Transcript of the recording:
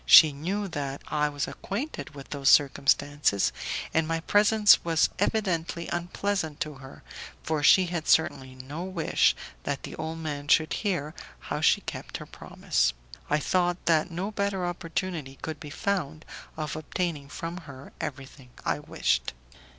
She knew that I was acquainted with those circumstances, and my presence was evidently unpleasant to her, for she had certainly no wish that the old man should hear how she kept her promise. I thought that no better opportunity could be found of obtaining from her everything I wished.